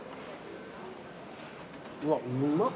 うわうまっ。